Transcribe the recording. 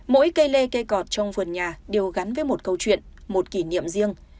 mỗi cây lê cây cọp trong vườn nhà đều gắn với một câu chuyện một kỷ niệm riêng